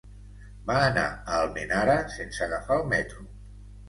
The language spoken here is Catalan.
Va anar a Almenara sense agafar el metro.